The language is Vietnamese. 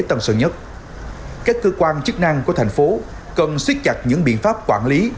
tầm sợ nhất các cơ quan chức năng của thành phố cần xuyết chặt những biện pháp quản lý